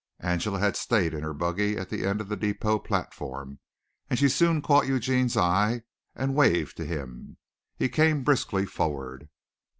Angela had stayed in her buggy at the end of the depot platform and she soon caught Eugene's eye and waved to him. He came briskly forward.